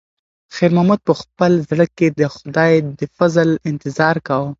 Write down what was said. خیر محمد په خپل زړه کې د خدای د فضل انتظار کاوه.